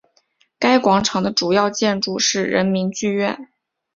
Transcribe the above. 该广场的主要建筑是人民剧院。